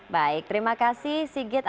baik terima kasih sigit